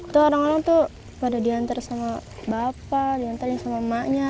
tuh orang orang tuh pada diantar sama bapak diantarin sama emaknya